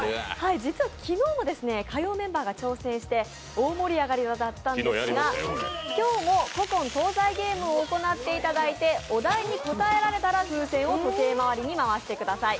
実は昨日も通うメンバーが挑戦して大盛り上がりだったんですが、今日も「古今東西ゲーム」を行っていただいてお題に答えられたら風船を時計回りに回してください。